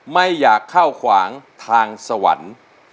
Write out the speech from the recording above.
ไม่อยากเข้าขวางทางสวรรค์